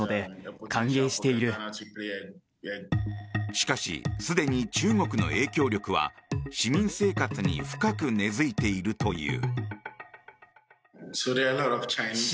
しかし、すでに中国の影響力は市民生活に深く根付いているという。